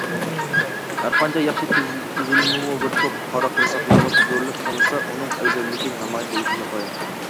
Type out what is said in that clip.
ھەرقانچە ياخشى تۈزۈلمىمۇ بىر توپ قارا قورساقلارغا زورلاپ تېڭىلسا، ئۇنىڭ ئەۋزەللىكى نامايان بولۇشى ناتايىن.